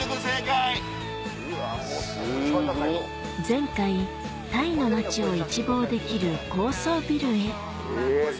前回タイの街を一望できる高層ビルへえぇ３１４。